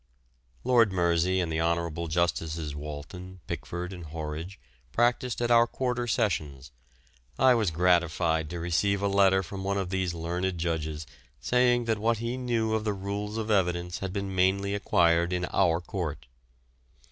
Lord Mersey and the Honourable Justices Walton, Pickford, and Horridge, practised at our Quarter Sessions. I was gratified to receive a letter from one of these learned judges saying that what he knew of the rules of evidence had been mainly acquired in our court.